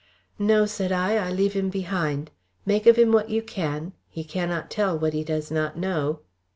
"No," said I, "I leave him behind. Make of him what you can. He cannot tell what he does not know."